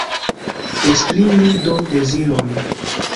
Esprimu do deziron.